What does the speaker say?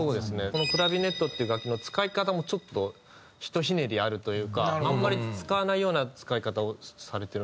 このクラビネットっていう楽器の使い方もちょっとひとひねりあるというかあんまり使わないような使い方をされてるな。